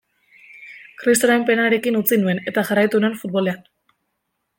Kristoren penarekin utzi nuen, eta jarraitu nuen futbolean.